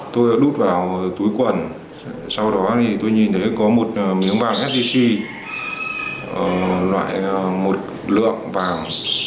tôi đút vào túi quần sau đó thì tôi nhìn thấy có một miếng vàng sgc loại một lượng vàng